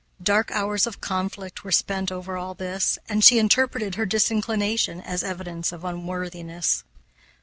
Dark hours of conflict were spent over all this, and she interpreted her disinclination as evidence of unworthiness.